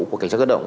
của cảnh sát cơ động